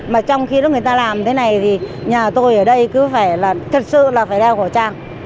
mà trong khi đó người ta làm thế này thì nhà tôi ở đây cứ phải là thật sự là phải đeo khẩu trang